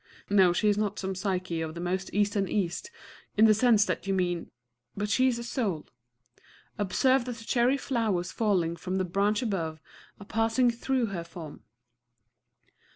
No, she is not some Psyche of the most Eastern East, in the sense that you mean but she is a soul. Observe that the cherry flowers falling from the branch above, are passing through her form.